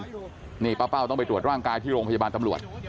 นี่ป้าเป้าต้องไปตรวจร่างกายที่โรงพยาบาลตำรวจ